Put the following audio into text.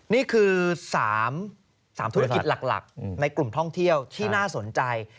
นี่คือ๓ธุรกิจหลักในกลุ่มท่องเที่ยวที่น่าสนใจ